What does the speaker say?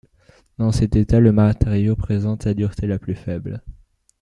Dans cet état, le matériau présente sa dureté la plus faible.